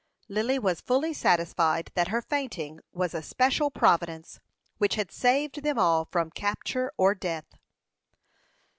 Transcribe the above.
Lily was fully satisfied that her fainting was a special providence, which had saved them all from capture or death.